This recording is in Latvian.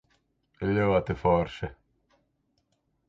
Ļoti forši.